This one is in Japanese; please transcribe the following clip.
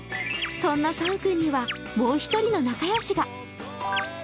そんなサン君にはもう１人の仲良しが。